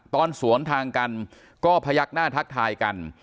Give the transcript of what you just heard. ตอนสวนทางกันก็พยักหน้าทักทายกัน